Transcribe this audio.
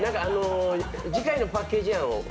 次回のパッケージ案を。